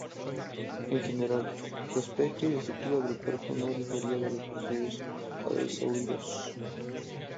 En general, su aspecto y estructura del cuerpo no difería de los posteriores hadrosáuridos.